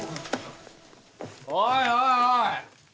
おいおいおい！